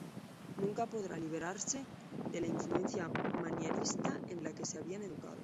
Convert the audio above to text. Nunca podrá liberarse de la influencia manierista en la que se había educado.